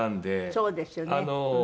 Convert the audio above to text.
そうですよね。